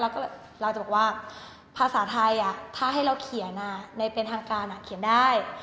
แล้วก็เราจะบอกว่าภาษาไทยถ้าให้เราเขียนในเป็นทางการเขียนได้